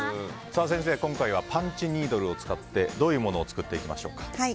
先生、今回はパンチニードルを使ってどういうものを作っていきましょうか？